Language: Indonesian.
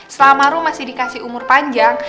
selama ru masih dikasih umur panjang